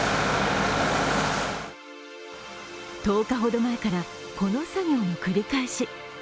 １０日ほど前からこの作業の繰り返し。